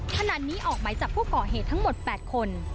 ขณะนี้ออกหมายจับผู้ก่อเหตุทั้งหมด๘คน